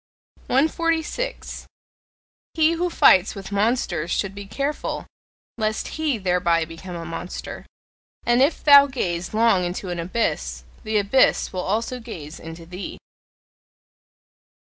146. He who fights with monsters should be careful lest he thereby become a monster. And if thou gaze long into an abyss, the abyss will also gaze into thee.